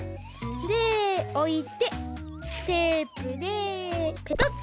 でおいてテープでペトッと。